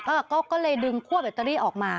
เออก็เลยดึงคั่วแบตเตอรี่ออกมา